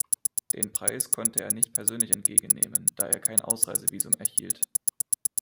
Den Preis konnte er nicht persönlich entgegennehmen, da er kein Ausreisevisum erhielt.